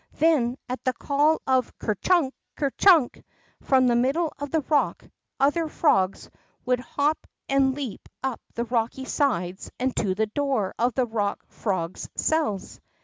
Then, at the call of Ker chunk ! Ker chunk !'' from the middle of the rock, other frogs would hop and leap up the rocky sides and to the door of the rock frog's cells.